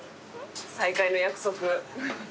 再会の約束。